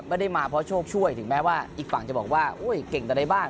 ไม่ได้มาเพราะโชคช่วยถึงแม้ว่าอีกฝั่งจะบอกว่าเก่งแต่ในบ้าน